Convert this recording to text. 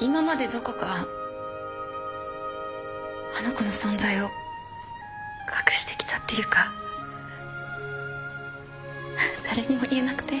今までどこかあの子の存在を隠してきたっていうか誰にも言えなくて。